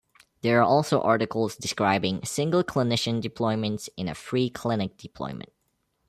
There are also articles describing single clinician deployments and a free clinic deployment.